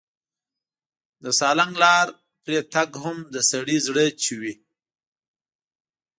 د سالنګ لار پرې تګ هم د سړي زړه چوي.